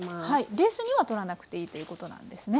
冷水には取らなくていいということなんですね。